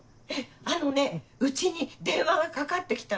あのね家に電話がかかって来たの。